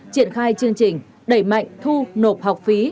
triển khai chương trình đẩy mạnh thu nộp học phí